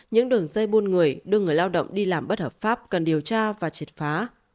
những đường dây buôn người đưa người lao động đi làm bất hợp pháp cần điều tra và triệt phá